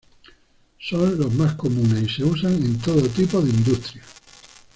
Son los más comunes y se usan en todo tipo de industrias.